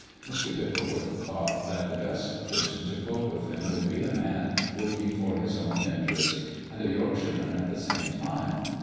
Mr. Bicklewith thought that the best person to cope with them would be a man working for his own interest and a Yorkshireman at the same time.